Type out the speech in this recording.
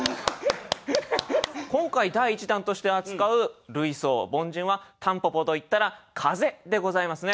今回第１弾として扱う類想凡人は蒲公英といったら「風」でございますね。